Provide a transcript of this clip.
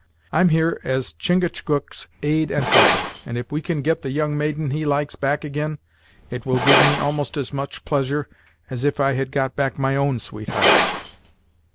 I'm here as Chingachgook's aid and helper, and if we can get the young maiden he likes back ag'in, it will give me almost as much pleasure as if I had got back my own sweetheart."